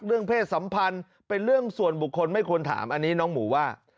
เพศสัมพันธ์เป็นเรื่องส่วนบุคคลไม่ควรถามอันนี้น้องหมูว่า